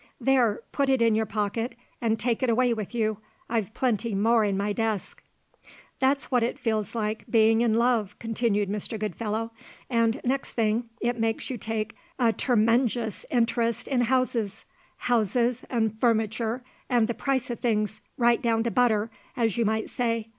"There, put it in your pocket and take it away with you. I've plenty more in my desk." "That's what it feels like, bein' in love," continued Mr. Goodfellow. "And, next thing, it makes you take a termenjus interest in houses houses an' furnicher an' the price o' things right down to butter, as you might say.